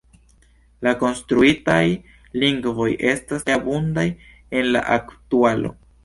La konstruitaj lingvoj estas tre abundaj en la aktualo.